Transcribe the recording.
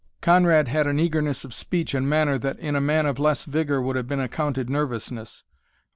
Conrad had an eagerness of speech and manner that in a man of less vigor would have been accounted nervousness.